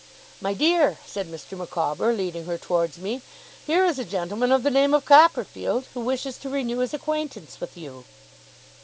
'My dear,' said Mr. Micawber, leading her towards me, 'here is a gentleman of the name of Copperfield, who wishes to renew his acquaintance with you.